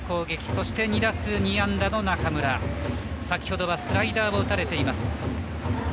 そしてバッターは２打数２安打の中村先ほどはスライダーを打たれています。